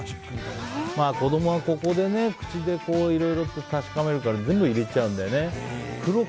子供は口でいろいろと確かめちゃうから全部、入れちゃうんだよね。